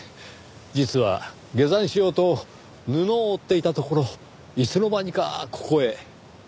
実は下山しようと布を追っていたところいつの間にかここへ。